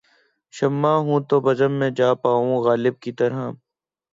شمع ہوں‘ تو بزم میں جا پاؤں غالب کی طرح